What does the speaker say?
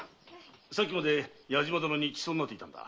さっきまで矢島殿に馳走になっていたんだ。